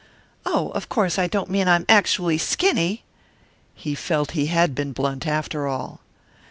"Oh, of course I don't mean I'm actually skinny " He felt he had been blunt, after all.